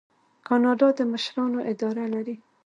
کاناډا د مشرانو اداره لري.